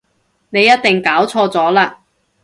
你一定搞錯咗喇